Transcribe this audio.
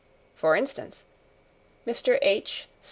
For instance, Mr. H.